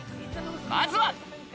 まずは。